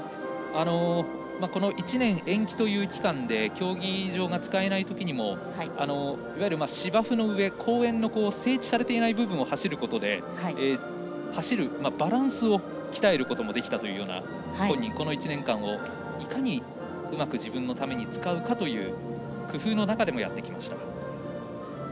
この１年延期という期間で競技場が使えないときにもいわゆる芝生の上公園の整地されていない部分を走ることで走るバランスを鍛えることもできたというような本人、この１年間をいかにうまく自分のために使うかという工夫の中でやってきました。